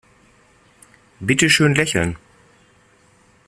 Bitte schön lächeln.